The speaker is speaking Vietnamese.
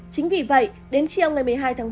chính vì vậy đến chiều ngày một mươi hai tháng ba